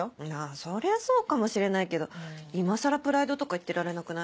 そりゃそうかもしれないけど今さらプライドとか言ってられなくない？